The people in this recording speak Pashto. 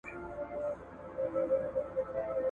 څه بې مالکه افغانستان دی ,